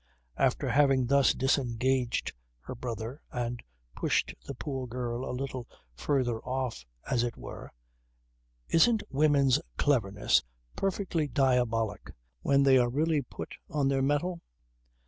After having thus disengaged her brother and pushed the poor girl a little further off as it were isn't women's cleverness perfectly diabolic when they are really put on their mettle?